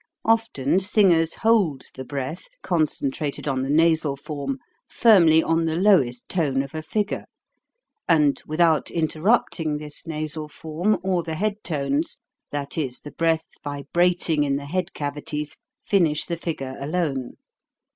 Often singers hold the breath, VELOCITY 255 concentrated on the nasal form, firmly on the lowest tone of a figure, and, without in terrupting this nasal form, or the head tones, that is, the breath vibrating in the head cavi ties, finish the figure alone.